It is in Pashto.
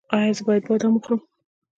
ایا زه باید بادام وخورم؟